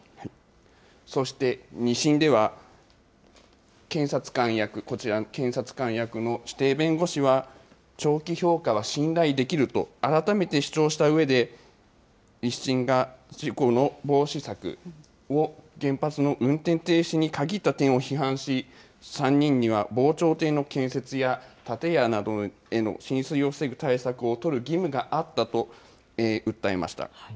そして２審では、検察官役の指定弁護士は、長期評価は信頼できると改めて主張したうえで、１審が事故の防止策を原発の運転停止に限った点を批判し、３人には防潮堤の建設や、建屋などへの浸水を防ぐ対策を取る義務があったと訴えました。